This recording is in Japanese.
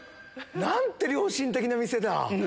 何て良心的な店だ。